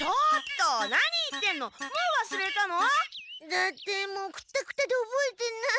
だってもうくったくたでおぼえてない。